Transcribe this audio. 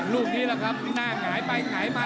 ลูกนี้แหละครับหน้าหงายไปหงายมา